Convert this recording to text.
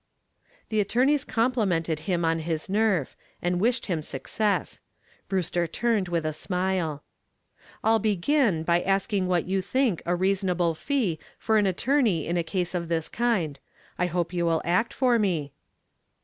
The attorneys complimented him on his nerve, and wished him success. Brewster turned with a smile. "I'll begin by asking what you think a reasonable fee for an attorney in a case of this kind. I hope you will act for me."